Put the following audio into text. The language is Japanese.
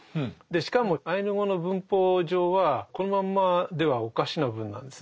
しかもアイヌ語の文法上はこのまんまではおかしな文なんですね。